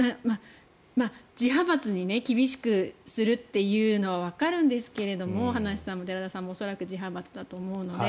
自派閥に厳しくするというのはわかるんですけれども葉梨さんも寺田さんも自派閥だと思うので。